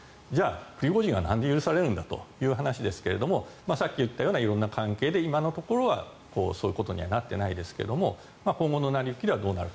プリゴジンはなんで許されるのかということですがさっき言ったような色んな関係で今のところはそういうことにはなっていませんが今後の成り行きではあり得る。